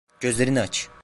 Gözlerini aç.